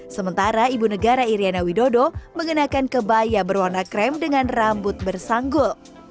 sementara ibu negara iryana widodo mengenakan kebaya berwarna krem dengan rambut bersanggul